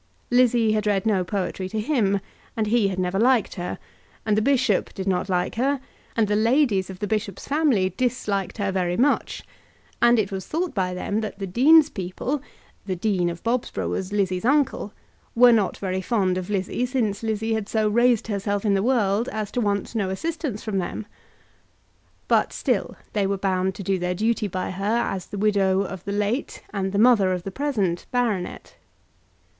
Lizzie had read no poetry to him, and he had never liked her, and the bishop did not like her, and the ladies of the bishop's family disliked her very much, and it was thought by them that the dean's people, the Dean of Bobsborough was Lizzie's uncle, were not very fond of Lizzie since Lizzie had so raised herself in the world as to want no assistance from them. But still they were bound to do their duty by her as the widow of the late and the mother of the present baronet.